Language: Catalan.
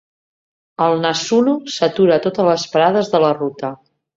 El "Nasuno" s"atura a totes les parades de la ruta.